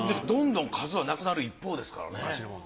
どんどん数はなくなる一方ですからね。